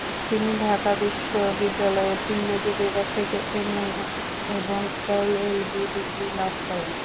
তিনি ঢাকা বিশ্ববিদ্যালয়ের ইংরেজি বিভাগ থেকে এমএ এবং এলএলবি ডিগ্রি লাভ করেন।